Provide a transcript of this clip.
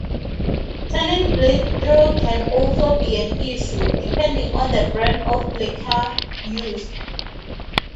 Tannin bleed-through can also be an issue, depending on the brand of lacquer used.